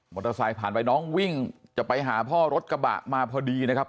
เตอร์ไซค์ผ่านไปน้องวิ่งจะไปหาพ่อรถกระบะมาพอดีนะครับ